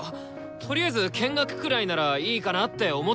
とりあえず見学くらいならいいかなって思っただけで。